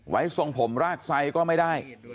ไว้ส่งผมร่าดไทยก็ไม่ได้